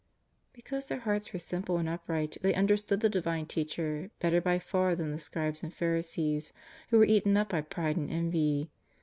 " Because their hearts were simple and upright they understood the Divine Teacher better by far than the Scribes and Pharisees who were eaten up by pride and envy.